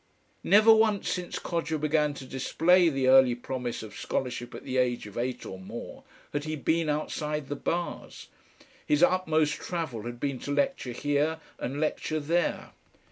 Never once since Codger began to display the early promise of scholarship at the age of eight or more, had he been outside the bars. His utmost travel had been to lecture here and lecture there.